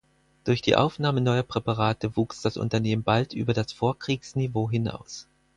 Durch die Aufnahme neuer Präparate wuchs das Unternehmen bald über das Vorkriegsniveau hinaus.